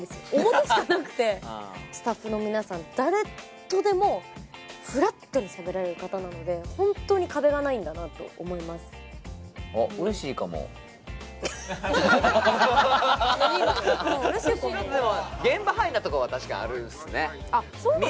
表しかなくてスタッフの皆さん誰とでもフラットにしゃべられる方なので本当に壁がないんだなと思いますでも現場ハイなとこは確かにあるんすねあっそうなんですか